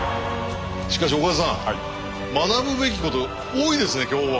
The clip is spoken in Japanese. しかし岡田さん学ぶべきこと多いですね今日は。